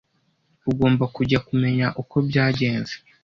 Ugomba kujya kumenya uko byagenze.